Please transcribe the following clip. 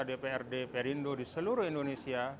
dprd perindo di seluruh indonesia